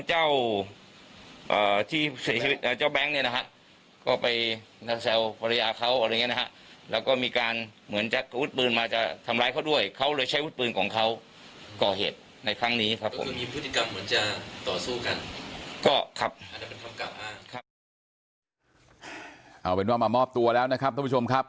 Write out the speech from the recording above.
เอาเป็นว่ามามอบตัวแล้วนะครับท่านผู้ชมครับ